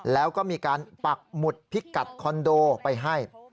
แล้วก็มีการปักหมุดพิกัดคอนโดไปให้